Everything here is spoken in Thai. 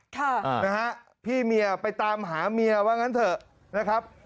ค่ะนะฮะพี่เมียไปตามหาเมียว่างั้นเถอะนะครับ